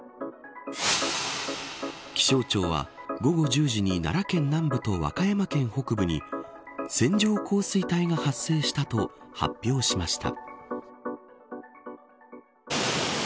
気象庁は午後１０時に奈良県南部と和歌山県北部に線状降水帯が発生したと発表しました。